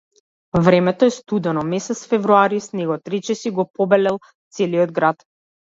Времето е студено, месец февруари, снегот речиси го побелел целиот град.